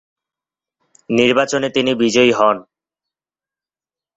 নির্বাচনে তিনি বিজয়ী হন।